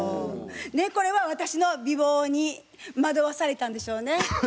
これは私の美貌に惑わされたんでしょうね。